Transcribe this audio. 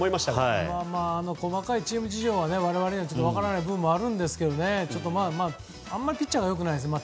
細かいチーム事情は我々には分からない部分がありますがあんまりピッチャーが良くないですね。